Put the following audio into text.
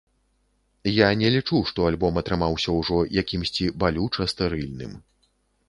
Я не лічу, што альбом атрымаўся ўжо якімсьці балюча стэрыльным.